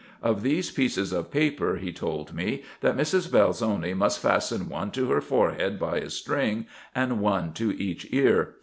Of these pieces of paper, he told me, that Mrs. Belzoni must fasten one to her forehead by a string, and one to each ear.